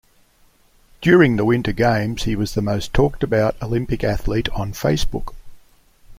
During the winter games, he was the most talked about Olympic athlete on Facebook.